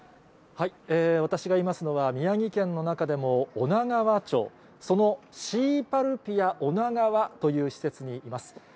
私がいますのは、宮城県の中でも、女川町、そのシーパルピア女川という施設にいます。